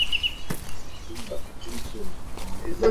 huunda mpaka kati ya Ulaya na Asia Matokeo